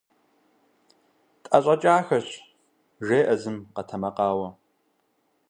- ТӀэщӀэкӀахэщ! - жеӀэ зым, къэтэмакъауэ.